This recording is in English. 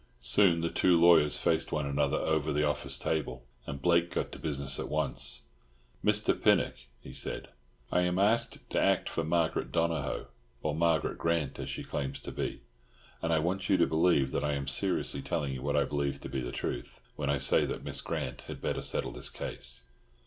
Soon the two lawyers faced one another over the office table, and Blake got to business at once. "Mr. Pinnock," he said, "I am asked to act for Margaret Donohoe, or Margaret Grant as she claims to be; and I want you to believe that I am seriously telling you what I believe to be the truth, when I say that Miss Grant had better settle this case."